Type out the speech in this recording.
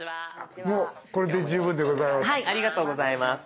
もうこれで十分でございます。